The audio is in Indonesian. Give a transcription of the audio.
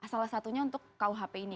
salah satunya untuk kuhp ini